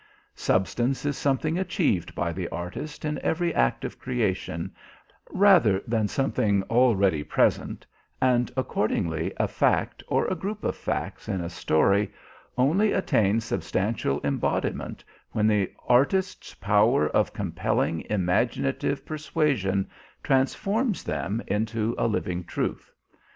Substance is something achieved by the artist in every act of creation, rather than something already present, and accordingly a fact or a group of facts in a story only attain substantial embodiment when the artist's power of compelling imaginative persuasion transforms them into a living truth.